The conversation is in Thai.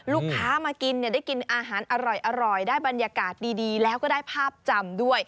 ลูกค้ามากินเนี่ยได้กินอาหารอร่อยได้บรรยากาศดีแล้วก็ได้ภาพจำด้วย